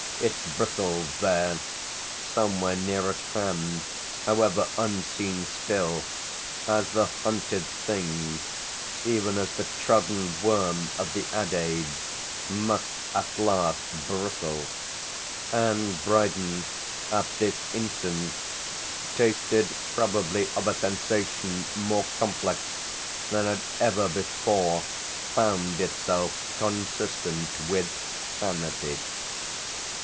It bristled there somewhere near at hand, however unseen still as the hunted thing, even as the trodden worm of the adage must at last bristle; and Brydon at this instant tasted probably of a sensation more complex than had ever before found itself consistent with sanity.